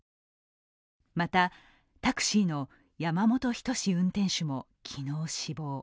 また、タクシーの山本斉運転手も昨日死亡。